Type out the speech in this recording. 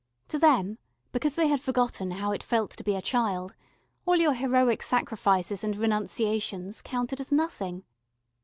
To them, because they had forgotten how it felt to be a child, all your heroic sacrifices and renunciations counted as nothing.